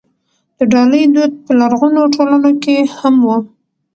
د ډالۍ دود په لرغونو ټولنو کې هم و.